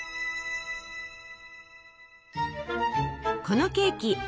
このケーキ